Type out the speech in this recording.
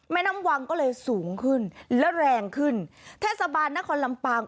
แม่น้ำวังก็เลยสูงขึ้นและแรงขึ้นเทศบาลนครลำปาง